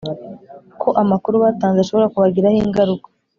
ko amakuru batanze ashobora kubagiraho ingaruka.